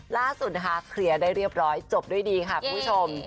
ล่าสุดนะคะเคลียร์ได้เรียบร้อยจบด้วยดีค่ะคุณผู้ชม